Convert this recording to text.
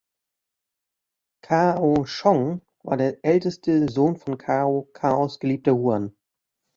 Cao Chong war der älteste Sohn von Cao Caos Geliebter Huan.